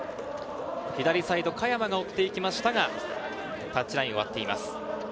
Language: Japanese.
左サイド・香山が追っていきましたが、タッチラインを割っています。